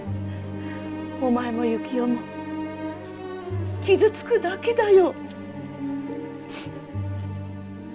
お前も行男も傷つくだけだよ。